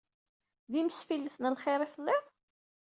D imsfillet n lxir i telliḍ?